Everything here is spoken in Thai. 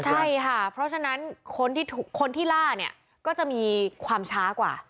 ใช่ค่ะเพราะฉะนั้นคนที่ล่าเนี่ยก็จะมีความช้ากว่า